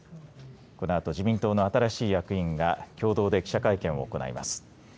このあと自民党の新しい役員が共同で記者会見を行います。